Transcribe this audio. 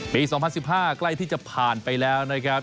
๒๐๑๕ใกล้ที่จะผ่านไปแล้วนะครับ